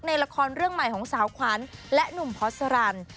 ในละครเรื่องใหม่ของสาวขวัญและหนุ่มพอสรัน